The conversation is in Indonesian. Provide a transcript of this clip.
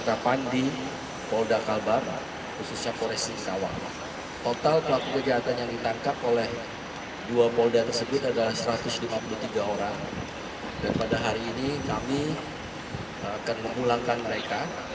dan dilakukan sesuai hukum yang berlaku di tiongkok